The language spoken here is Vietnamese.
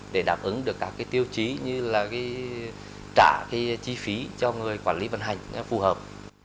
để đáp ứng được các tiêu chí như là trả chi phí cho người quản lý vận hành phù hợp